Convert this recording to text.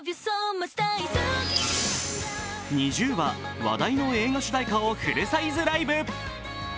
ＮｉｚｉＵは話題の映画主題歌をフルサイズライブ。